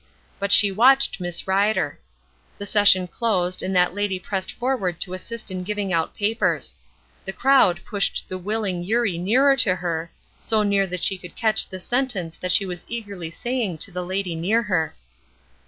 But she watched Miss Rider. The session closed and that lady pressed forward to assist in giving out papers. The crowd pushed the willing Eurie nearer to her, so near that she could catch the sentence that she was eagerly saying to the lady near her.